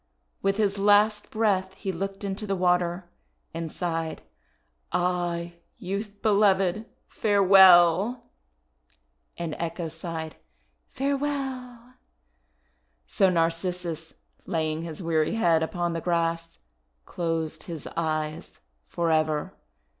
With his last breath he looked into the water and sighed, "Ah, Youth Beloved, farewell!' And Echo sighed, "Farewell!" So Narcissus, laying his weary head upon the grass, closed his eyes forever.